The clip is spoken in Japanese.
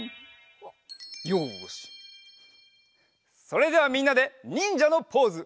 それではみんなでにんじゃのポーズ。